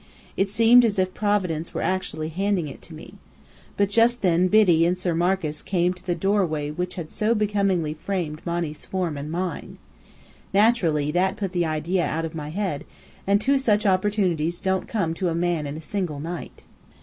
It seemed as if Providence were actually handing it to me. But just then Biddy and Sir Marcus came to the doorway which so becomingly framed Monny's form and mine. Naturally that put the idea out of my head; and two such opportunities don't come to a man in a single night.